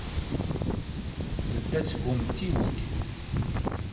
Tedda seg umtiweg.